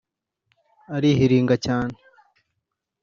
arihiringa cyane